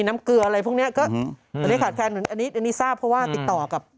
น้ำเกลืออะไรพวกนี้ก็ตอนนี้ขาดแคลนอันนี้ทราบเพราะว่าติดต่อกับ